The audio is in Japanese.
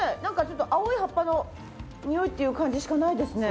ちょっと青い葉っぱのにおいっていう感じしかないですね。